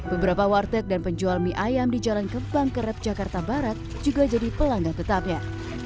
beberapa warteg dan penjual mie ayam di jalan kembang keret jakarta barat juga jadi pelanggan tetapnya